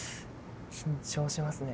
緊張しますね